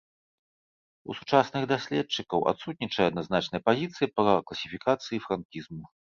У сучасных даследчыкаў адсутнічае адназначная пазіцыя па класіфікацыі франкізму.